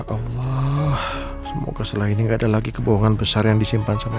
allah semoga setelah ini gak ada lagi kebohongan besar yang disimpan sama